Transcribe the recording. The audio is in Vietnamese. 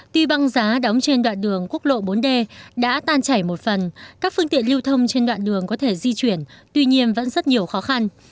tuy băng giá đóng trên đoạn đường quốc lộ bốn d đã tan chảy một phần các phương tiện lưu thông trên đoạn đường có thể di chuyển tuy nhiên vẫn rất nhiều khó khăn